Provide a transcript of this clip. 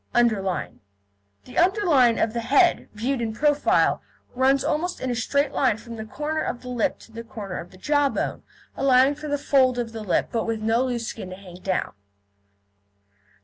UNDERLINE The underline of the head, viewed in profile, runs almost in a straight line from the corner of the lip to the corner of the jawbone, allowing for the fold of the lip, but with no loose skin to hang down.